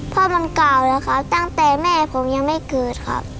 พ่อมันเก่าแล้วครับตั้งแต่แม่ผมยังไม่เกิดครับ